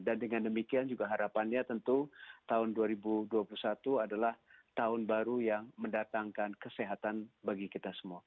dan dengan demikian juga harapannya tentu tahun dua ribu dua puluh satu adalah tahun baru yang mendatangkan kesehatan bagi kita semua